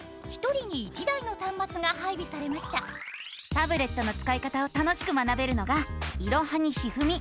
タブレットのつかい方を楽しく学べるのが「いろはにひふみ」。